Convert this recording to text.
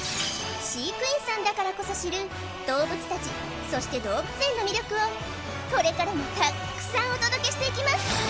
飼育員さんだからこそ知る動物達そして動物園の魅力をこれからもたくさんお届けしていきます